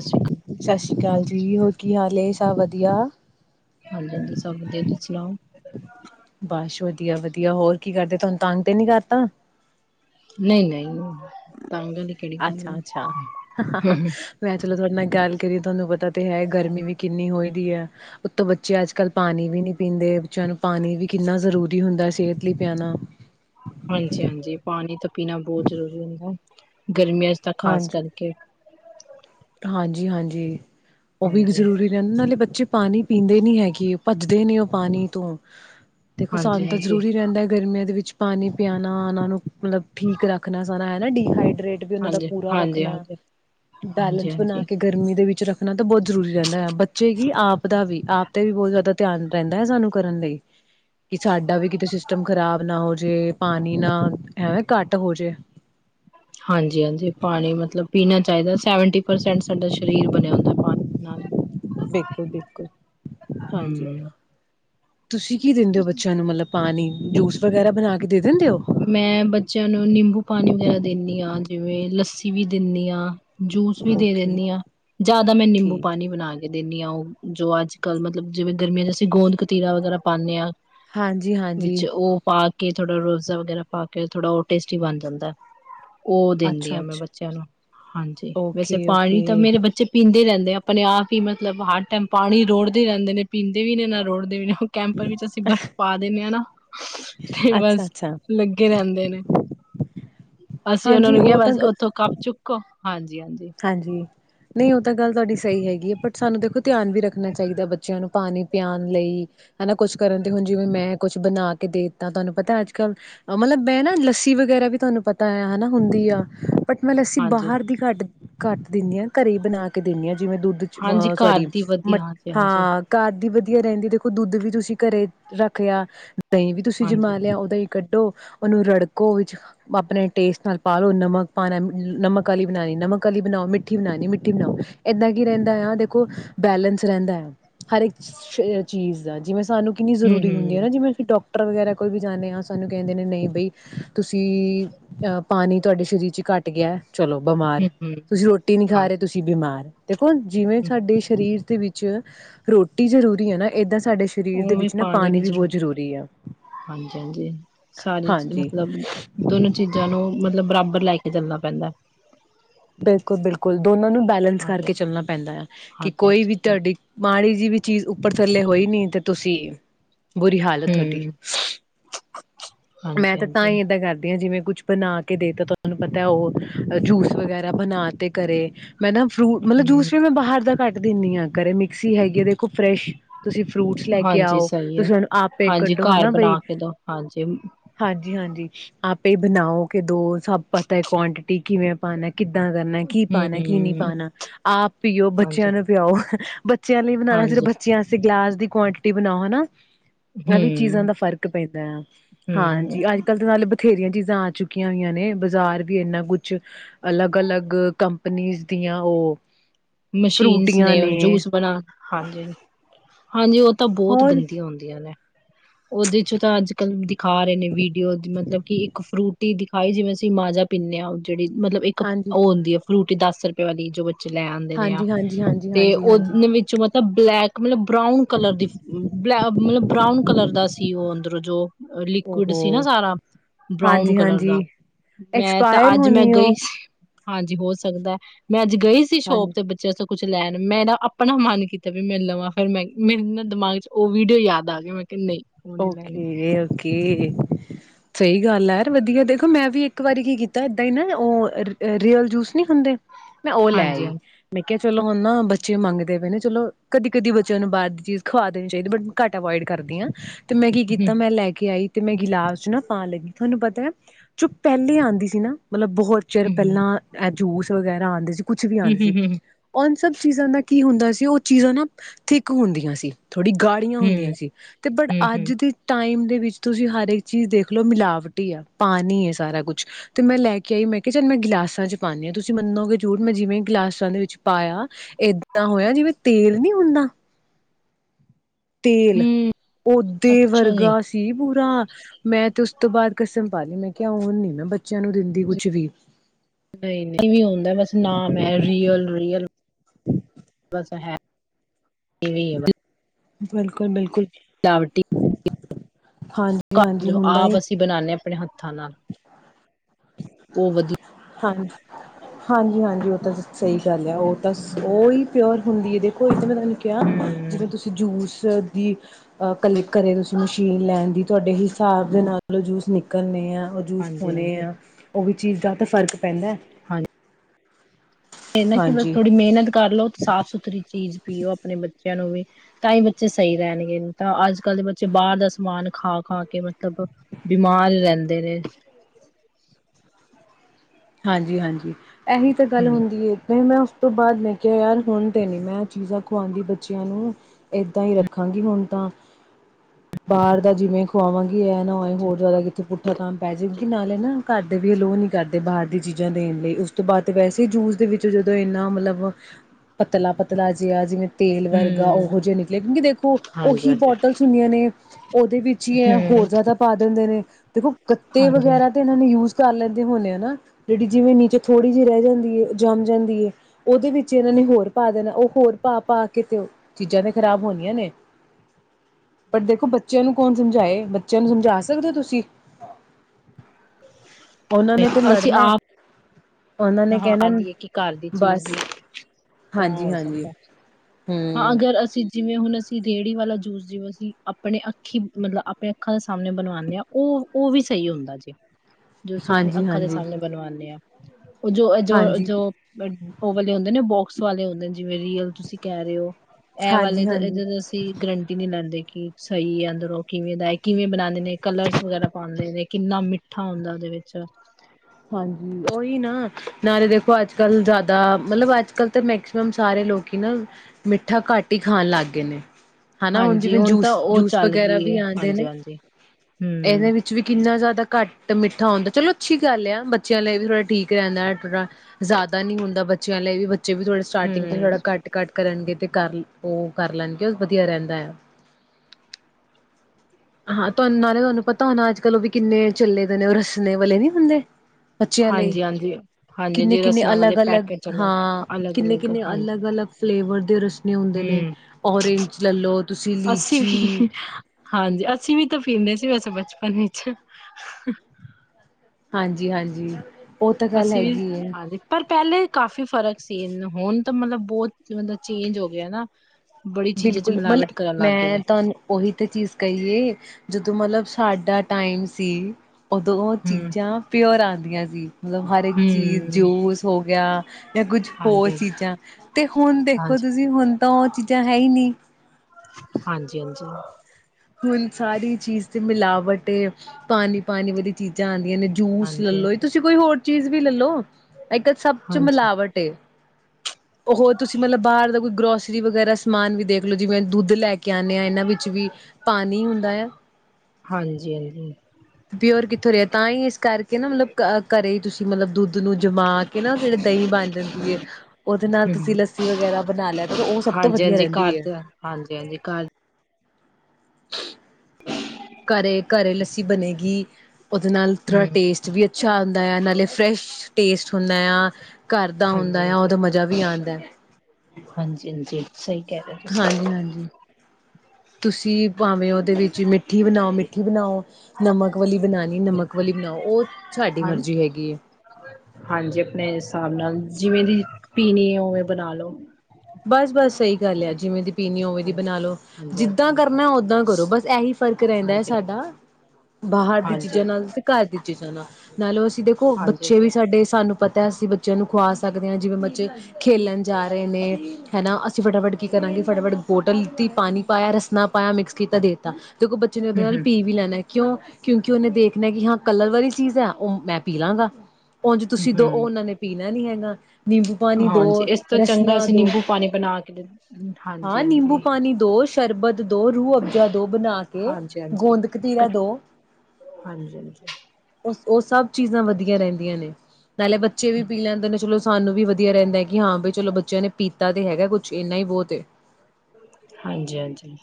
ਸ਼੍ਰੀ ਅਕਾਲ ਸ੍ਰੀ ਅਕਾਲ ਜੀ ਹੋਰ ਕੀ ਹਾਲ [unintelligible] ਆ ਵਧੀਆ ਹਾਂਜੀ ਹਾਂਜੀ ਸਭ ਵਧੀਆ ਤੁਸੀਂ ਸੁਣਾਓ ਬਸ ਵਧੀਆ ਵਧੀਆ ਹੋਰ ਕੀ ਕਰਦੇ ਤੁਹਾਨੂੰ ਤੰਗ ਤੇ ਨੀ ਕਰਤਾ ਨਹੀਂ ਨਹੀਂ ਤੰਗ ਵਾਲੀ ਕਿਹੜੀ ਗੱਲ ਅੱਛਾ ਅੱਛਾ ਮੈਂ ਚਲੋ ਤੁਥਹਾਡੇ ਨਾਲ ਗੱਲ ਕਰੀਏ ਤੁਹਾਨੂੰ ਪਤਾ ਤੇ ਹੈ ਗਰਮੀ ਵੀ ਕਿੰਨੀ ਹੋਈ ਦੀ ਹੈ ਉੱਤੋਂ ਬੱਚੇ ਅੱਜ ਕੱਲ੍ਹ ਪਾਣੀ ਵੀ ਨੀ ਪੀਂਦੇ ਬੱਚਿਆਂ ਨੂੰ ਪਾਣੀ ਵੀ ਕਿੰਨਾ ਜ਼ਰੂਰੀ ਹੁੰਦਾ ਸਿਹਤ ਲਈ ਪਿਆਣਾ ਹਾਂਜੀ ਹਾਂਜੀ ਪਾਣੀ ਤਾਂ ਪੀਣਾ ਬਹੁਤ ਜਰੂਰੀ ਹੁੰਦਾ ਗਰਮੀਆਂ ਤਾਂ ਖ਼ਾਸ ਕਰਕੇ ਹਾਂਜੀ ਹਾਂਜੀ ਉਹ ਵੀ ਹਾਂਜੀ ਜ਼ਰੂਰੀ ਨੇ ਨਾਲੇ ਬੱਚੇ ਪਾਣੀ ਪੀਂਦੇ ਨੀ ਹੈਗੇ ਭੱਜਦੇ ਨੇ ਉਹ ਪਾਣੀ ਤੋਂ ਦੇਖੋ ਹਾਂਜੀ ਸਾਨ ਤਾਂ ਹਾਂਜੀ ਜ਼ਰੂਰੀ ਰਹਿੰਦਾ ਹੈ ਗਰਮੀਆਂ ਦੇ ਵਿੱਚ ਪਾਣੀ ਪਿਆਉਣਾ ਉਹਨਾਂ ਨੂੰ ਮਤਲਬ ਠੀਕ ਰੱਖਣਾ ਸਾਰਾ ਹੈਾ ਡੀਹਾਈਡ ਰੇਟ ਵੀ ਉਹਨਾ ਦਾ ਹਾਂਜੀ ਪੂਰਾ ਹਾਂਜੀ ਹਾਂਜੀ ਰੱਖਣਾ ਹਾਂਜੀ ਬੈਲੈਂਸ ਬਣਾ ਹਾਂਜੀ ਕੇ ਗਰਮੀ ਦੇ ਵਿੱਚ ਰੱਖਣਾ ਤਾਂ ਬਹੁਤ ਜ਼ਰੂਰੀ ਰਹਿੰਦਾ ਹੈ ਬੱਚੇ ਕੀ ਆਪ ਦਾ ਵੀ ਆਪ ਤੇ ਵੀ ਬਹੁਤ ਜ਼ਿਆਦਾ ਧਿਆਨ ਰਹਿੰਦਾ ਹੈ ਸਾਨੂੰ ਕਰਨ ਲਈ ਕਿ ਸਾਡਾ ਵੀ ਕਿਤੇ ਸਿਸਟਮ ਖ਼ਰਾਬ ਨਾ ਹੋ ਜਾੇ ਪਾਣੀ ਨਾ ਹੈਵੇਂ ਘੱਟ ਹੋਜੇ ਹਾਂਜੀ ਹਾਂਜੀ ਪਾਣੀ ਮਤਲਬ ਪੀਣਾ ਚਾਹੀਦਾ ਸਵਨ ਪਰਸੈਂਟ ਸਾਡਾ ਸਰੀਰ ਬਣਿਆ ਹੁੰਦਾ ਪਾਣੀ ਨਾਲ ਬਿਲਕੁਲ ਬਿਲਕੁਲ ਹਾਂਜੀ ਹਮ ਤੁਸੀਂ ਕੀ ਦਿੰਦੇ ਹੋ ਬੱਚਿਆਂ ਨੂੰ ਮਤਲਬ ਪਾਣੀ ਜੂਸ ਵਗੈਰਾ ਬਣਾ ਕੇ ਦੇ ਦਿੰਦੇ ਹੋ ਮੈਂ ਬੱਚਿਆਂ ਨੂੰ ਨਿੰਬੂ ਪਾਣੀ ਵਗੈਰਾ ਦਿੰਦੀ ਹਾਂ ਜਿਵੇਂ ਲੱਸੀ ਵੀ ਦਿੰਦੀ ਹਾਂ ਜੂਸ ਵੀ ਦੇ ਓਕੇ ਦਿੰਦੀ ਹਾਂ ਜਿਆਦਾ ਮੈਂ ਨਿੰਬੂ ਠੀਕ ਪਾਣੀ ਬਣਾ ਕੇ ਦਿੰਦੀ ਆ ਉਹ ਜੋ ਅੱਜ ਕੱਲ ਮਤਲਬ [unintelligible] ਜਿਵੇਂ ਗਰਮੀ ਚ ਅਸੀਂ ਗੋਦ ਤੀਰਾ ਵਗੈਰਾ ਪਾਉਂਦੇ ਹਾਂ ਹਾਂਜੀ ਹਾਂਜੀ ਵਿੱਚ ਉਹ ਪਾ ਥੋੜਾ ਰੋਜ਼ ਜ਼ਾ ਵਗੈਰਾ ਪਾ ਕੇ ਥੋੜ੍ਹਾ ਉਹ ਟੇਸਟੀ ਬਣ ਜਾਂਦਾ ਹੈ ਉਹ ਦਿੰਦੀ ਅੱਛਾ ਆ ਮੈਂ ਅੱਛਾ ਬੱਚਿਆਂ ਨੂੰ ਹਾਂਜੀ ਵੈਸੇ ਓਕੇ ਪਾਣੀ ਤਾਂ ਓਕੇ ਮੇਰੇ ਬੱਚੇ ਪੀਂਦੇ ਰਹਿੰਦੇ ਆਪਣੇ ਆਪ ਹੀ ਮਤਲਬ ਹਰ ਟਾਈਮ ਪਾਣੀ ਰੋੜਦੇ ਹੀ ਰਹਿੰਦੇ ਨੇ ਪੀਂਦੇ ਵੀ ਨੇ ਨਾ ਰੋੜਦੇ ਵੀ ਨੇ ਕੈਂਪ ਵਿੱਚ ਅਸੀਂ ਬਰਫ਼ ਪਾ ਦੇਦੇ ਹ ਹਨਾ ਤੇ ਬਸ ਅੱਛਾ-ਅੱਛਾ ਲੱਗੇ ਰਹਿੰਦੇ ਨੇ ਅਸੀਂ ਉਹਨਾ ਹਾਂਜੀ ਨੂੰ ਕਿਹਾ ਉਹ ਵ ਤਾਂ ਗ ਉੱਥੋਂ ਕੱਪ ਚੁੱਕੋ ਹਾਂਜੀ ਹਾਂਜੀ ਨਹੀਂ ਉਹ ਤਾਂ ਗੱਲ ਤੁਹਾਡੀ ਸਹੀ ਹੈਗੀ ਹੈ ਬਟ ਸਾਨੂੰ ਦੇਖੋ ਧਿਆਨ ਵੀ ਰੱਖਣਾ ਚਾਹੀਦਾ ਬੱਚਿਆਂ ਨੂੰ ਪਾਣੀ ਪਿਆਉਣ ਲਈ ਹਨਾ ਕੁਛ ਕਰਨ ਤੇ ਹੁਣ ਜਿਵੇਂ ਮੈਂ ਕੁਛ ਬਣਾ ਕੇ ਦੇ ਦਿੱਤਾ ਤੁਹਾਨੂੰ ਪਤਾ ਅੱਜ ਕੱਲ ਮਤਲਬ ਮੈਂ ਨਾ ਲੱਸੀ ਵਗੈਰਾ ਵੀ ਤੁਹਾਨੂੰ ਪਤਾ ਹੈ ਹਨਾ ਹੁੰਦੀ ਆ ਬਟ ਮੈਂ ਲੱਸੀ ਹਾਂਜੀ ਬਾਹਰ ਦੀ ਘੱਟ ਕੱਟ ਦਿੰਦੀ ਹਾਂ ਘਰੇ ਹੀ ਬਣਾ ਕੇ ਦਿੰਦੇਾਂ ਜਿਵੇਂ ਦੁੱਧ ਚ ਹਾਂਜੀ ਅ ਘਰ ਸੋਰੀ ਦੀ ਮ ਵਧੀਆ ਹਾਂਜੀ ਹਾਂਜੀ ਹਾਂ ਘਰ ਦੀ ਰਹਿੰਦੀ ਦੇਖੋ ਦੁੱਧ ਵੀ ਤੁਸੀਂ ਘਰੇ ਰੱਖਿਆ ਦਹੀਂ ਵੀ ਤੁਸੀਂ ਹਾਂਜੀ ਜਮਾ ਲਿਆ ਉਹਦਾ ਹੀ ਕੱਢੋ ਉਹਨੂੰ ਰੜਕੋ ਵਿੱਚ ਆਪਣੇ ਟੇਸਟ ਨਾਲ ਪਾਾਲੋ ਨਮਕ ਪਾਣਾ ਨਮਕ ਵਾਲੀ ਬਣਾਉਣੀ ਨਮਕ ਕਲੀ ਬਣਾਓ ਮਿੱਠੀ ਬਣਾਣੀ ਮਿੱਠੀ ਬਣਾਓ ਇਏਦਾਂ ਕੀ ਰਹਿੰਦਾ ਆ ਦੇਖੋ ਬੈਲਂਸ ਰਹਿੰਦਾ ਆ ਹਰ ਇੱਕ ਚੀਜ਼ ਦਾ ਜਿਵੇਂ ਸਾਨੂੰ ਕਿੰਨੀ ਹੂੰ ਜ਼ਰੂਰੀ ਹੁੰਦੀ ਹੂੰ ਹੈ ਨਾ ਜਿਵੇਂ ਡਾ ਡਾਕਟਰ ਵਗੈਰਾ ਕੋਈ ਵੀ ਜਾਂਦੇ ਹਾਂ ਸਾਨੂੰ ਕਹਿੰਦੇ ਨੇ ਨਹੀਂ ਬਈ ਤੁਸੀਂ ਪਾਣੀ ਤੁਹਾਡੇ ਸਰੀਰ 'ਚ ਘੱਟ ਗਿਆ ਚਲੋ ਬਿਮਾਰ ਹੂੰ ਹੂੰ ਤੁਸੀਂ ਰੋਟੀ ਨਹੀਂੀ ਖਾ ਰਹੇ ਹਾਂਜੀ ਤੁਸੀਂ ਬਿਮਾਰ ਦੇਖੋ ਜਿਵੇਂ ਹੂੰ ਸਾਡੇ ਸਰੀਰ ਦੇ ਵਿੱਚ ਚ ਰੋਟੀ ਜ਼ਰੂਰੀ ਹੈ ਨਾ ਏਦਾਂ ਸਾਡੇ ਸਰੀਰ ਦੇ ਉਵੇਂ ਵਿੱਚ ਨਾ ਪਾਣੀ ਵੀਰਤ ਵੀ ਬਹੁਤ ਜ਼ਰੂਰੀ ਆ ਹਾਂਜੀ ਹਾਂਜੀ ਸਾਰੀ ਹਾਂਜੀ ਮਤਲਬ ਦੋਨੋ ਚੀਜ਼ਾਂ ਨੂੰ ਮਤਲਬ ਬਰਾਬਰ ਲੈ ਕੇ ਇਹ ਚੱਲਣਾ ਪੈਂਦਾ ਬਿਲਕੁਲ ਬਿਲਕੁਲ ਦੋਨਾਂ ਨੂੰ ਬੈਲੈਂਸ ਹਾਂਜੀ ਕਰਕੇ ਚੱਲਣਾ ਪੈਂਦਾ ਆ ਕਿ ਹਾਂਜੀ ਕੋਈ ਹਾਂਜੀ ਵੀ ਹਾਂਜੀ ਤੁਹਾਡੀ ਮਾੜੀ ਜੀ ਵਿੱਚ ਚੀਜ਼ ਉੱਪਰ ਥੱਲੇ ਹੋਈ ਨੀ ਤੇ ਤੁਸੀਂ ਬੁਰੀ ਹਾਲ ਹੈ ਤੁਹਾਡੀ ਹੂੰ ਮੈਂ ਹਾਂਜੀ ਤਾਂ ਤਾਂ ਹਾਂਜੀ ਹੀ ਏਦਾਂ ਕਰਦੀ ਹਾਂ ਜੀ ਜਿਵੇਂ ਕੁਛ ਬਣਾ ਕੇ ਦੇਤਾ ਤੁਹਾਨੂੰ ਪਤਾ ਉਹ ਜੂਸ ਵਗੈਰਾ ਬਣਾ ਤੇ ਕਰੇ ਮੈਂ ਨਾ ਫਰੂਟ ਮਤਲਬ ਹੂੰ ਜੂਸ ਵੀ ਮੈਂ ਬਾਹਰ ਦਾ ਕੱਟ ਦਿੰਦੀ ਹ ਘਰੇ ਮਿਕਸੀ ਹੈਗੀ ਆ ਦੇਖੋ ਫਰੈਸ਼ ਤੁਸੀਂ ਫਰੂਟਸ ਲੈ ਕੇ ਹਾਂਜੀ ਆਓ ਸਹੀ ਹੈ ਤੁਸੀਂ ਉਹਨੂੰ ਆਪੇ ਹਾਂਜੀ ਕੱਢੋ ਘਰ ਹਨਾ ਬਈ ਬਣਾ ਕੇ ਦੋ ਹਾਂਜੀ ਹੂੰ ਹਾਂਜੀ ਹਾਂਜੀ ਆਪ ਬਣਾਓ ਕਿ ਦੋ ਸਭ ਪਤਾ ਹੈ ਕੁਆਂਟਿਟੀ ਕਿਵੇਂ ਪਾਣਾ ਕਿੱਦਾਂ ਕਰਨਾ ਕੀ ਪਾਉਣਾ ਕੀ ਨਹੀਂੀ ਪਾਉਣਾ ਆਪ ਪੀਓ ਬੱਚਿਆਂ ਹਾਂਜੀ ਨੂੰ ਪਿਆਓ ਬੱਚਿਆਂ ਲਈ ਬਣਾਉਣਾ ਫਿਰ ਹਾਂਜੀ ਬੱਚਿਆਂਸ ਗਲਾਸ ਦੀ ਕੁਆਂਟਿਟੀ ਬਣਾਓ ਹਨਾ ਇਹ ਵੀ ਚੀਜ਼ਾਂ ਹੂੰ ਦਾ ਫ਼ਰਕ ਪੈਂਦਾ ਆ ਹੂੰ, ਹਾਂਜੀ ਅੱਜ ਕੱਲ੍ਹ ਦੇ ਨਾਲ ਬਥੇਰੀਆਂ ਚੀਜ਼ਾਂ ਆ ਚੁਕੀਆਂ ਹੋਈਆਂ ਨੇ ਬਜ਼ਾਰ ਵੀ ਇਨਾ ਕੁਛ ਅਲੱਗ ਅਲੱਗ ਕੰਪਨੀ ਦੀਆਂ ਉਹ ਮਸ਼ੀਨਸ ਨੇ ਉਹ ਜੂਸ ਬਣਾ ਹਾਂਜੀ ਹਾਂਜੀ ਉ ਤਾਂ ਬਹੁਤ ਹੋਰ ਗੰਦੀਆਂ ਹੁੰਦੀਆਂ ਨੇ ਉਹਦੇ ਚੋਂ ਤਾਂ ਅੱਜ ਕੱਲ ਦਿਖਾ ਰਹੇ ਨੇ ਵੀਡੀਓ ਮਤਲਬ ਕਿ ਇੱਕ ਫਰੂਟ ਟੀ ਦਿਖਾਈ ਜਿਵੇਂ ਅਸੀ ਮਾਜਾ ਪੀਨਦੇ ਹ ਜਿਹੜੀ ਮਤਲਬ ਇੱਕ ਹਾਂਜੀ ਉਹ ਹੁੰਦੀ ਹੈ ਫਰੂਟੀ ਦਸ ਰੁਪਏ ਵਾਲੀ ਜੋ ਬੱਚੇ ਲੈ ਹਾਂਜੀ ਹਾਂਜੀ ਹਾਂਜੀ ਤੇ ਹਾਂਜੀ ਹਾਂਜੀ ਉਹਦੇ ਵਿੱਚ ਮਤਲਬ ਬਲੈਕ ਮਤਲਬ ਬਰਾਊਨ ਕਲਰ ਦੀ ਬਲੈ ਮਤਲਬ ਬਰਾਊਨ ਕਲਰ ਦਾ ਸੀ ਉਹ ਅੰਦਰੋਂ ਜੋ ਲਿਕੁਡ ਓਹੋ ਸੀ ਨਾ ਸਾਰਾ ਬਰਾਊਨ ਹਾਂਜੀ ਕਲਰ ਦਾ ਹਾਂਜੀ ਮੈਂ ਤਾਂ ਐਕਸਪਾਇਰ ਅੱਜ ਮੈਂ ਹੋਣੀ ਗਈ ਉਹ ਸੀ ਹਾਂਜੀ ਹੋ ਸਕਦਾ ਮੈਂ ਅੱਜ ਗਈ ਸੀ ਸ਼ੋਪ ਹਾਂਜੀ ਬੱਚਿਆਂ ਕੁੱਛ ਲੈਣ ਮੈਂ ਨਾ ਆਪਣਾ ਮਨ ਕੀਤਾ ਵੀ ਮੈਂ ਲਵਾਂ ਫਿਰ ਮੈਂ ਮੇਰੇ ਨਾ ਦਿਮਾਗ ਚ ਉਹ ਵੀਡੀਓ ਯਾਦ ਆ ਗ ਮੈਂ ਕਿਹਾ ਨਹੀਂ ਉਹ ਨੀ ਲੈਣੀ ਓਕੇ ਓਕੇ ਸਹੀ ਗੱਲ ਹੈਾਰ ਵਧੀਆ ਦੇਖੋ ਮੈਂ ਵੀ ਇੱਕ ਵਾਰੀ ਕੀ ਕੀਤਾ ਏਦਾਂ ਹੀ ਨਾ ਉਹ ਰੀਅਲ ਜੂਸ ਨਹੀਂੀ ਹੁੰਦੇ ਮੈਂ ਉਹ ਲੈ ਹਾਂਜੀ ਈ ਹਾਂਜੀ ਮੈਂ ਕਿਹਾ ਚਲੋ ਨਾ ਬੱਚੇ ਮੰਗਦੇ ਪਏ ਨੇ ਚਲੋ ਕਦੀ ਕਦੀ ਬੱਚਿਆਂ ਨੂੰ ਬਾਹਰ ਦੀ ਚੀਜ਼ ਖਵਾ ਦੇਣੀ ਚਾਹੀਦੀ ਬਟ ਘੱਟ ਅਵੋਇਡ ਕਰਦੀ ਆ ਤੇ ਮੈਂ ਕੀ ਕੀਤਾ ਹਮ ਮੈਂ ਲੈ ਕੇ ਆਈ ਤੇ ਮੈਂ ਗਿਲਾਸ ਚ ਨਾ ਪਾਉਣ ਲੱਗੀ ਤੁਹਾਨੂੰ ਪਤਾ ਹੈ ਜੋ ਪਹਿਲੇ ਆਉਂਦੀ ਸੀ ਨਾ ਮਤਲਬ ਬਹੁਤ ਚਿਰ ਹਮ ਪਹਿਲਾਂ ਜੂਸ ਵਗੈਰਾ ਆਉਂਦੇ ਸੀ। ਕੁਛ ਵੀ ਆਉਂਦੇ ਸੀ ਹਮ ਹਮ ਉਂਝ। ਸਭ ਚੀਜ਼ਾਂ ਦਾ ਕੀ ਹੁੰਦਾ ਸੀ ਉਹ ਚੀਜ਼ਾਂ ਨਾ ਥਿੱਕ ਹੁੰਦੀਆਂ ਸੀ। ਥੋੜ੍ਹੀ ਗਾੜੀਆ ਹੁੰਦੀਆਂ ਹਮ ਸੀ ਤੇ ਬਟ। ਹਮ ਅੱਜ ਦੇ ਟਾਈਮ ਦੇ। ਵਿੱਚ ਤੁਸੀਂ ਹਰ ਇੱਕ ਚੀਜ਼ ਦੇਖ ਲਓ ਮਿਲਾਵਟੀ ਆ ਪਾਣੀ ਹੈ ਸਾਰਾ ਕੁਛ ਤੇ ਮੈਂ ਲੈ ਕੇ ਆਈ ਮੈਂ ਕਿਹਾ ਚੱਲ ਮੈਂ ਵਿੱਚ ਗਿਲਾਸਾਂ ਚ ਪਾਉਦੀ ਹਾਂ ਤੁਸੀਂ ਮੰਨੋਗੇ ਜੂਠ ਮੈਂ ਜਿਵੇਂ ਗਿਲਾਸਾਂ ਦੇ ਵਿੱਚ ਪਾਇਆ ਏਦਾਂ ਹੋਇਆ ਜਿਵੇਂ ਤੇਲ ਨੀ ਹੁੰਦਾ। ਤੇਲ ਹਮ ਓਦੇ ਅੱਛਾ ਜੀ ਵਰਗਾ ਸੀ ਬੂ। ਹਾਂ ਮੈਂ ਤੇ ਉਸ ਤੋਂ ਬਾਅਦ ਕਸਮ ਪਾ ਲਈ ਮੈਂ ਕਿਹਾ ਹੁਣ ਨੀ ਮੈਂ ਬੱਚਿਆਂ ਨੂੰ ਦਿੰਦੀ ਕੁਛ ਵੀ। ਨਹੀਂ ਨਹੀਂ ਇਹ ਵੀ ਹੁੰਂਦਾ ਬਸ ਨਾਮ ਹੈ ਰੀਅਲ ਰੀਅਲ ਬਸ ਹੈ ਬਿਲਕੁਲ ਬਿਲਕੁਲ। ਲਾਵਟੀ। ਹਾਂਜੀ ਘਰ ਹਾਂਜੀ ਜਦੋਂ ਹੁੰਦਾ ਹੀ ਆਪ ਅਸੀਂ ਬਣਾਉਦੇ ਹਾਂ। ਆਪਣੇ ਹੱਥਾਂ ਨਾਲ। ਉਹ ਵਧੀਆ ਹਾਂਜੀ ਹਾਂਜੀ ਹਾਂਜੀ। ਉਹ ਤਾਂ ਸਹੀ ਗੱਲ ਹੈ ਉਹ ਤਾਂ ਉਹ ਹੀ ਪਿਓਰ ਹੁੰਦੀ ਹੈ ਦੇਖੋ ਇੱਕ ਮੈਂ। ਤੈਨੂੰ ਕਿਹਾ ਹਮ ਜਿਵੇਂ ਤੁਸੀਂ ਜੂਸ। ਦੀ ਕਲਿਕ ਕਰੇ ਤੁਸੀਂ ਮਸ਼ੀਨ ਲੈਣ ਦੀ ਤੁਹਾਡੇ ਹਿਸਾਬ ਦੇ ਨਾਲ ਜੂਸ ਨਿਕਲਣੇ ਆ। ਉਹ ਜੂਸ ਹਾਂਜੀ ਹੋਣੇ ਹਾਂਜੀ ਆ ਉਹ ਵੀ। ਚੀਜ਼ ਦਾ ਤਾਂ ਫ਼ਰਕ ਪੈਂਦਾ ਹੈ। ਹਾਂਜੀ। ਤੇ ਨਾ ਕਿ ਬਸ ਹਾਂਜੀ ਥੋੜੀ ਮਿਹਨਤ ਕਰ ਲਓ ਸਾਫ਼ ਸੁਥਰੀ ਚੀਜ਼ ਪੀਓ ਆਪਣੇ ਬੱਚੇ। ਬੱਚਿਆਂ ਨੂੰ ਵੀ ਤਾਂ ਹੀ ਬੱਚੇ ਸਹੀ ਰਹਿਣਗੇ ਨਹੀਂ ਤਾਂ ਅੱਜ। ਅੱਜ ਕੱਲ ਦੇ ਬੱਚੇ ਬਾਹਰ ਦਾ ਸਮਾਨ ਖਾ। ਖਾ ਕੇ ਮਤਲਬ ਬਿਮਾਰ ਰਹਿੰਦੇ ਨੇ। ਹਾਂਜੀ ਹਾਂਜੀ। ਇਹੀ ਤਾਂ ਗੱਲ ਹਮ ਹੁੰਦੀ ਹੈ ਨਹੀਂ ਮੈਂ। ਉਸ ਤੋਂ ਬਾਅਦ ਮੈਂ ਕਿਹਾ ਯਾਰ ਹੁਣ ਤੇ ਨੀ ਮੈਂ ਚੀਜ਼ਾਂ ਖੁਵਾਉਂਦੀ ਬੱਚਿਆਂ ਨੂੰ ਏਦਾਂ ਹੀ ਰੱਖਾਂਗੀ ਹੁਣ ਤਾਂ ਬਾਹਰ ਦਾ ਜਿਵੇਂ ਖਵਾਵਾਂਗੀ। ਕੀ ਇਹ ਨਾ ਹੋਏ ਹੋਰ ਜ਼ਿਆਦਾ ਕਿੱਥੇ ਪੁੱਠਾ ਕੰਮ ਪੈ ਜਾਵੇ। ਨਾਲੇ ਨਾ ਘਰਦੇ ਵੀ ਅਲੋਹ ਨੀ ਕਰਦੇ। ਅਤੇ ਬਾਹਰ ਦੀ ਚੀਜ਼ਾਂ ਦੇਣ ਲਈ ਉਸ ਤੋਂ ਬਾਅਦ ਵੈਸੇ ਹੀ ਜੂਸ ਦੇ ਵਿੱਚ ਜਦੋਂ ਇੰਨਾ ਮਤਲਬ ਪਤਲਾ ਪਤਲਾ ਜਿਹਾ ਜਿਵੇਂ। ਤੇਲ ਵਰਗਾ ਉਹੋ ਹਮ ਜਿਹੇ ਨਿਕਲੇ ਕਿਉਂਕਿ ਦੇਖੋ ਉਹੀ ਬੋਟਲਸ ਹੁੰਦੀਆਂ ਨੇ ਉਹਦੇ ਵਿੱਚ ਹੀ ਹੈ ਹੋਰ ਜ਼ਿਆਦਾ ਪਾ ਦਿੰਦੇ ਨੇ। ਦੇਖੋ। ਕੱਤੇ ਹਮ ਵਗੈਰਾ ਤੇ ਇਹਨਾਂ ਨੇ ਯੂਜ। ਕਰ ਲੈਂਦੇ ਹੋਣੇ ਆ। ਹਨਾ ਜਿਹੜੀ ਜਿਵੇਂ ਨੀਚੇ ਥੋੜੀ ਜਿਹੀ ਰਹਿ ਜਾਂਦੀ ਹੈ ਜੰਮ ਜਾਂਦੀ ਹੈ ਉਹਦੇ ਵਿੱਚ ਇਹਨਾਂ ਨੇ ਹੋਰ ਪਾ ਦੇਣਾ ਉਹ ਹੋਰ ਪਾ ਪਾ ਕੇ ਤੇ ਚੀਜ਼ਾਂ ਨੇ ਖ਼ਰਾਬ ਹੋਣੀਆਂ ਨੇ ਪਰ ਦੇਖੋ ਬੱਚਿਆਂ ਨੂੰ ਕੌਣ ਸਮਝਾਏ ਬੱਚਿਆਂ ਨੂੰ ਸਮਝਾ ਸਕਦੇ ਹੋ ਤੁਸੀਂ। ਉਹਨਾਂ ਨੇ। ਅਸੀਂ ਲੜਨਾ। ਆਪ ਉਹਨਾਂ ਨੇ ਹਾਂ ਕਹਿਣਾ ਆਂਦੀ ਹੈ ਕਿ ਘਰ ਦੀ ਚੀਜ਼ ਦੀ ਬਸ ਤਾਂ ਹਾਂਜੀ ਹੋ ਹਾਂਜੀ ਸਕਦਾ ਹੈ ਹਮ ਅਗਰ ਅਸੀਂ। ਜਿਵੇਂ ਹੁਣ ਅਸੀਂ ਰੇਹੜੀ ਵਾਲਾ ਜੂਸ, ਜਿਵੇ ਅਸੀਂ ਆਪਣੇ ਅੱਖੀ ਮਤਲਬ ਆਪਣੇ ਅੱਖਾਂ ਦੇ ਸਾਮਣੇ ਬਣਵਾਉਂਦੇ ਹਾਂ, ਉਹ ਉਹ ਵੀ ਸਹੀ ਹੁੰਦਾ ਜੇ। ਜੋ ਅਸੀਂ ਆਪਣੀ ਹਾਂਜੀ ਅੱਖਾਂ ਦੇ ਹਾਂਜੀ ਸਾਮਣੇ ਬਣਵਾਉਂਦੇ ਹਾਂ। ਹਾਂਜੀ ਹਾਂਜੀ [unintelligible] ਉਹ ਵਾਲੇ ਹੁੰਦੇ, ਬੋਕਸ ਵਾਲੇ ਹੁੰਦੇ, ਜਿਵੇਂ ਰੀਅਲ ਤੁਸੀਂ ਕਹਿ ਰਹੇ ਹੋ। ਇਹ ਵਾਲੇ ਤਾਂ, ਹਾਂਜੀ ਇਹਦੇ ਅਸੀਂ ਗਰੰਟੀ ਨਹੀਂ ਲੈਂਦੇ ਕਿ ਸਹੀ ਹੈ, ਅੰਦਰੋਂ ਕਿਵੇਂ ਦਾ ਕਿਵੇਂ ਬਣਾਦੇ ਨੇ, ਕਲਰ ਵਗੈਰਾ ਪਾਉਂਦੇ ਨੇ, ਕਿੰਨਾ ਮਿੱਠਾ ਹੁੰਦਾ ਉਹਦੇ ਵਿੱਚ ਹਾਂਜੀ, ਉਹੀ ਨਾ। ਨਾਲੇ ਦੇਖੋ, ਅੱਜ-ਕੱਲ ਜ਼ਿਆਦਾ ਮਤਲਬ ਅੱਜ ਕੱਲ ਤਾਂ ਮੈਕਸੀਮਮ ਸਾਰੇ ਲੋਕ ਹੀ ਨਾ ਮਿੱਠਾ ਘੱਟ ਹੀ ਖਾਣ ਲੱਗ ਗਏ ਨੇ। ਹਨਾ, ਹੁਣ ਹਾਂਜੀ ਜਿਵੇਂ ਤਾਂ ਉਹ ਜੂਸ-ਜੂਸ ਚੱਲ ਗਈ ਵਗੈਰਾ ਵੀ ਏ। ਆਉਂਦੇ ਹਾਂਜੀ ਨੇ, ਹਾਂਜੀ ਹਮ ਇਹਦੇ ਵਿੱਚ ਵੀ ਕਿੰਨਾ ਜ਼ਿਆਦਾ ਘੱਟ ਮਿੱਠਾ ਹੁੰਂਦਾ, ਚਲੋ ਠੀਕ। ਗੱਲ ਆ, ਬੱਚਿਆਂ ਲਈ ਵੀ ਥੋੜ੍ਹਾ ਠੀਕ ਰਿੰਦਾ ਥੋੜਾ। ਜ਼ਿਆਦਾ ਨੀ ਹੁੰਦਾ ਬੱਚਿਆਂ ਲਈ ਵੀ, ਬੱਚੇ ਵੀ ਥੋੜੇ ਸਟਾਰਟਿੰਗ ਤੋਂ ਹਮ ਥੋੜਾ ਘੱਟ ਘੱਟ ਕਰਨਗੇ। ਤੇ ਕਰ, ਉਹ ਕਰ ਲੈਣਗੇ। ਵਧੀਆ ਰਹਿੰਦਾ ਆ। ਹਾਂ, ਤੁਵਾਨੁ ਨਾਲੇ ਤੁਹਾਨੂੰ ਪਤਾ ਹੋਣਾ, ਅੱਜ ਕੱਲ ਉਹ ਵੀ ਕਿੰਨੇ ਚੱਲੇ ਦੇ ਨੇ, ਉਹ ਰੱਸਨੇ ਵਾਲੇ ਨੀ। ਹੁੰਦੇ। ਬੱਚਿਆਂ ਲਈ ਹਾਂਜੀ ਹਾਂਜੀ ਹਾਂਜੀ ਕਿੰਨੇ ਜੀ ਕਿੰਨੇ ਰਸਨਾ ਵਾਲੇ ਅਲੱਗ-ਅਲੱਗ ਪੈਕੇਟ ਚਲੇ ਹਾਂ? ਅਲੱਗ ਕਿੰਨੇ ਅਲੱਗ ਕਿੰਨੇ ਹਾਂਜੀ ਅਲੱਗ-ਅਲੱਗ ਫਲੇਵਰ ਦੇ ਰਸਣੇ ਹੁੰਦੇ ਨੇ? ਹਮ ਓਰੇਂਜ ਲੈਲੋ, ਤੁਸੀਂ ਅਸੀਂ ਲੀਚੀ ਵੀ ਹਾਂਜੀ ਅਸੀਂ ਵੀ ਤਾਂ ਪੀਂਦੇ ਸੀ ਵੈਸੇ ਬਚਪਨ ਵਿਚ। ਹਾਂਜੀ, ਹਾਂਜੀ। ਉਹ ਤਾਂ ਗੱਲ ਅੱਸੀਂ ਵੀ ਹੈਗੀ ਹੈ ਹਾਂਜੀ, ਪਰ ਪਹਿਲੇ। ਕਾਫੀ ਫਰਕ ਸੀ ਏਨੂੰ, ਹੁਣ। ਤਾਂ ਮਤਲਬ, ਬਹੁਤ ਜ਼ਿਆਦਾ ਚੇਂਜ ਹੋ ਗਿਆ ਹਨਾ ਬਿਲਕੁਲ, ਮਤਲਬ ਮੈਂ ਤੁਹਾਨੂੰ ਉਹੀ ਤੇ ਚੀਜ਼ ਕਹੀਏ। ਜਦੋਂ ਮਤਲਬ ਸਾਡਾ ਟਾਈਮ ਸੀ ਉਦੋਂ ਹੂੰ ਚੀਜ਼ਾਂ ਪਿਓਰ ਆਂਦੀਆਂ ਜੀ। ਮਤਲਬ, ਹਰ ਇੱਕ ਚੀਜ਼ ਹੂੰ ਜੂਸ ਹੋ। ਗਿਆ। ਜਾਂ, ਕੁੱਝ ਹੋਰ ਹਾਂਜੀ ਚੀਜ਼ਾਂ ਤੇ ਹੁਣ ਦੇਖੋ। ਹਾਂਜੀ ਤੁਸੀਂ ਹੁਣ ਤਾਂ ਉਹ ਚੀਜ਼ਾਂ। ਇਨੀ ਹਾਂਜੀ, ਹਾਂਜੀ। ਹੁਣ, ਸਾਰੀ ਚੀਜ਼ ਤੇ ਮਿਲਾਵਟ ਏ। ਪਾਣੀ, ਪਾਣੀ ਵਾਲੀ ਚੀਜ਼ਾਂ। ਨੇ, ਜੂਸ ਲੈ ਹਾਂਜੀ ਲੋ। ਤੁਸੀਂ ਕੋਈ ਹੋਰ। ਚੀਜ਼ ਵੀ ਲੈਲੋ ਅੱਜ ਕੱਲ੍ਹ ਸਭ ਚ ਹਾਂਜੀ ਮਿਲਾਵਟ ਉਹ ਤੁਸੀਂ ਮਤਲਬ ਬਾਹਰ ਦਾ ਕੋਈ ਗਰੋਸਰੀ ਵਗੈਰਾ ਸਮਾਨ ਵੀ ਦੇਖਲੋ ਜਿਵੇਂ ਦੁੱਧ ਲੈ ਕੇ ਆਉਂਦੇ ਹਾਂ ਇਹਨਾਂ ਵਿੱਚ ਵੀ ਪਾਣੀ ਹੁੰਦਾ ਆ ਹਾਂਜੀ ਹਾਂਜੀ ਪਿਓਰ ਕਿੱਥੋਂ ਰਿਹਾ ਤਾਂ ਹੀ ਇਸ ਕਰਕੇ ਨਾ ਮਤਲਬ ਘਰੇ ਹੀ ਤੁਸੀਂ ਮਤਲਬ ਦੁੱਧ ਨੂੰ ਜਮਾ ਕੇ ਨਾ ਜਿਹੜੇ ਦਹੀਂ ਬਣ ਜਾਂਦੀ ਉਹਦੇ ਨਾਲ ਤੁਸੀਂ ਹੂੰ ਲੱਸੀ ਵਗੈਰਾ ਬਣਾ ਲਿਆ ਕਰ ਉਹ ਸਭ ਤੋਂ ਹਾਂਜੀ ਵਧੀਆ ਹਾਂਜੀ ਰਹਿੰਦੀ ਘਰ ਹੈ ਦਾ ਹਾਂਜੀ ਹਾਂਜੀ ਘਰ ਘਰੇ ਘਰ ਲੱਸੀ ਬਣੇਗੀ ਉਹਦੇ ਨਾਲ ਹੂੰ ਥੋੜ੍ਹਾ ਟੇਸਟ ਵੀ ਅੱਛਾ ਹਦਾ ਆ ਨਾਲੇ ਫਰੈਸ਼ ਟੇਸਟ ਹੁੰਦਾ ਆ ਘਰ ਦਾ ਹੁੰਦਾ ਹਾਂਜੀ ਆ ਹਾਂਜੀ ਉਹਦਾ ਮਜ਼ਾ ਵੀ ਆਉਂਦਾ ਹਾਂਜੀ ਹਾਂਜੀ ਸਹੀ ਕਹਿ ਰਹੇ ਹਾਂਜੀ ਤੁਸੀਂ ਹਾਂਜੀ ਤੁਸੀਂ ਭਾਵੇਂ ਉਹਦੇ ਵਿੱਚ ਮਿੱਟੀ ਮਠੀ ਬਣਾਓ ਮਿੱਠੀ ਬਣਾਓ ਨਮਕ ਵਾਲੀ ਬਣਾਉਣੀ ਨਮਕ ਵਾਲੀ ਬਣਾਓ ਉਹ ਸਾਡੀ ਹਾਂ ਮਰਜ਼ੀ ਹੈਗੀ ਹੈ ਹਾਂਜੀ ਆਪਣੇ ਹਿਸਾਬ ਜਿਵੇਂ ਦੀ ਪੀਣੀ ਵੇੈਂ ਬਣਾ ਲੋੋ ਬਸ ਬਸ ਸਹੀ ਗੱਲ ਆ ਜਿਵੇਂ ਦੀ ਪੀਣੀ ਉਹਵੇ ਦੀ ਹਾਂਜੀ ਬਣਾ ਲੋੋ ਹਾਂਜੀ ਜਿੱਦਾਂ ਹਾਂਜੀ ਕਰਨਾ ਉਓਦਾਂ ਕਰੋ ਬਸ ਆਈ ਫ਼ਰਕ ਰਹਿੰਦਾ ਹੈ ਹਾਂਜੀ, ਸਾਡਾ ਬਾਹਰ ਦੀ ਹਾਂਜੀ, ਚੀਜ਼ਾਂ ਨਾਲ ਤੇ ਘਰ ਦੀ ਚੀਜ਼ਾਂ ਨਾਲ [unintelligible] ਦੇਖੋ ਹਾਂਜੀ ਬੱਚੇ ਵੀ ਸਰ ਸਾਡੇ ਸਾਨੂੰ ਪਤਾ ਸੀ ਬੱਚਿਆਂ ਨੂੰ ਖੁਵਾ ਸਕਦੇ ਹਾਂ ਜਿਵੇਂ ਬੱਚੇ ਖੇਲਣ ਜਾ ਰਹੇ ਨੇ ਹਨਾ ਅਸੀਂ ਫਟਾਫਟ ਕੀ ਕਰਾਂਗੇ ਫਟਾਫਟ ਬੋਟਲ ਤੇ ਪਾਣੀ ਪਾਇਆ ਰਸਨਾ ਪਾਇਆ ਮਿਕਸ ਕੀਤਾ ਦੇਤਾ ਤੇੋ ਬੱਚੇ ਨੇ ਉਹਦੇ ਹੂੰ, ਨਾਲ ਪੀ ਵੀ ਲੈਣਾ ਕਿਉਂ ਕਿਉਂਕਿ ਉਹਨੇ ਦੇਖਣਾ ਕਿ ਹਾਂ ਕਲਰ ਵਾਲੀ ਚੀਜ਼ ਹੈ ਉਹ ਮੈਂ ਪੀ ਲਾਂਗਾ ਉਝ ਹੂੰ, ਤੁਸੀਂ ਦੋ ਹੂੰ ਉਹਨਾਂ ਨੇ ਪੀਣੀ ਨਾ ਨਹੀਂ ਹੈਗਾ ਨਿੰਬੂ ਪਾਣੀ ਦੋ ਹਾਂਜੀ ਇਸ ਤੋਂ ਚੰਗਾ ਰਸਨਾ ਅਸੀਂ ਦੋ ਨਿੰਬੂ ਪਾਣੀ ਬਣਾ ਕੇ ਹਾਂਜੀ ਹਾਂ ਨਿੰਬੂ ਹਾਂਜੀ ਪਾਣੀ ਦੋ ਸ਼ਰਬਤ ਦੋ ਰੂਹ ਅਬਜਾ ਦੋ ਬਣਾ ਕੇ ਹਾਂਜੀ ਹਾਂਜੀ, ਗੋਂਦ ਕਤੀਰਾ ਦੋ ਹਾਂਜੀ, ਉਹ ਸਭ ਚੀਜ਼ਾਂ ਵਧੀਆ ਰਹਿੰਦੀਆਂ ਨੇ ਨਾਲੇ ਬੱਚੇ ਵੀ ਪੀ ਲੈਂਦੇ ਨੇ ਚਲੋ ਸਾਨੂੰ ਵੀ ਵਧੀਆ ਰਹਿੰਦਾ ਹੈ ਕਿ ਹਾਂ ਬਈ ਚਲੋ ਬੱਚਿਆਂ ਨੇ ਪੀਤਾ ਤੇ ਹੈਗਾ ਕੁਛ ਇੰਨਾ ਹੀ ਬਹੁਤ ਏ। ਹਾਂਜੀ ਹਾਂਜੀ।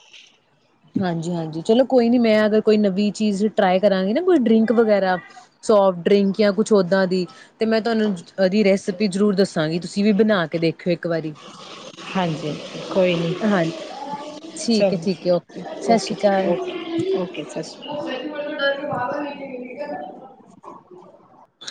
ਹਾਂਜੀ ਹਾਂਜੀ ਚਲੋ ਕੋਈ ਨੀ ਮੈਂ ਅਗਰ ਕੋਈ ਨਵੀਂ ਚੀਜ਼ ਟਰਾਈ ਕਰਾਂਗੀ ਨਾ ਕੋਈ ਡਰਿੰਕ ਵਗੈਰਾ ਸੋਫਟ ਡਰਿੰਕ ਜਾਂ ਕੁਛ ਓਦਾਂ ਦੀ। ਤੇ ਮੈਂ ਤੁਹਾਨੂੰ ਔਦੀ ਰੈਸਪੀ ਜ਼ਰੂਰ ਦੱਸਾਂਗੀ ਤੁਸੀਂ ਵੀ ਬਣਾ ਕੇ ਦੇਖਿਓ ਇੱਕ ਵਾਰੀ। ਹਾਂਜੀ ਕੋਈ ਨੀ ਹਾਂਜੀ, ਠੀਕ ਹੈ ਠੀਕ ਚਲੋ ਹੈ ਓਕ ਓਕੇ ਜੀ ਓਕੇ ਓਕੇ ਸਤ ਸ਼੍ਰੀ ਕਾਲ [unintelligible]